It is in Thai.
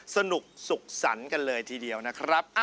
สนุกสุขสรรค์กันเลยทีเดียวนะครับ